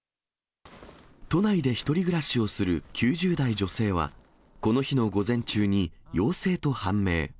都内で１人暮らしをする９０代女性は、この日の午前中に陽性と判明。